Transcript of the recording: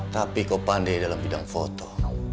tapi kau pandai dalam bidang foto